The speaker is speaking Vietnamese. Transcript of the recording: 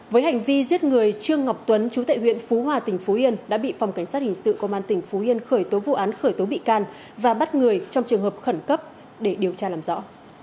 với hành vi giết người trương ngọc tuấn chú tại huyện phú hòa tỉnh phú yên đã bị phòng cảnh sát hình sự công an tỉnh phú yên khởi tố vụ án khởi tố bị can và bắt người trong trường hợp khẩn cấp để điều tra làm rõ